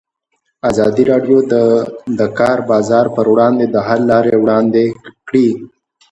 ازادي راډیو د د کار بازار پر وړاندې د حل لارې وړاندې کړي.